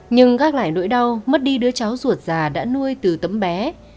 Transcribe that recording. nhưng gác lại nỗi đau mất đi đứa cháu ruột già đã nuôi từ tấm bé